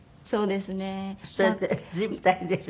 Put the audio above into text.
そうですね。